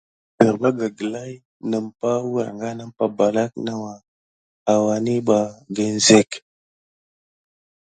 Derbaga gla i nəmpa wəlanga nampa balak nawa awaniɓa ginzek.